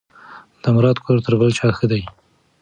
د مراد کور تر بل چا ښه دی.